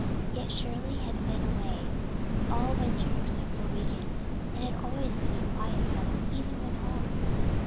Yet Shirley had been away all winter except for week ends, and had always been a quiet fellow even when home.